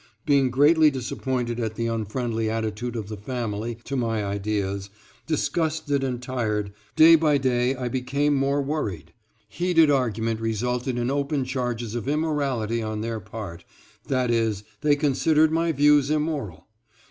Being greatly disappointed at the unfriendly attitude of the family to my ideas, disgusted and tired, day by day I became more worried. Heated argument resulted in open charges of immorality on their part, that is, they considered my views immoral.